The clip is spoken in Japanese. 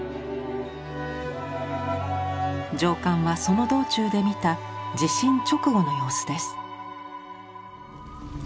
上巻はその道中で見た地震直後の様子です。